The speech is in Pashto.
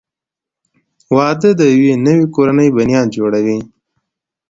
• واده د یوې نوې کورنۍ بنیاد جوړوي.